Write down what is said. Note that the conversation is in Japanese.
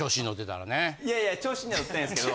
いやいや調子には乗ってないですけど。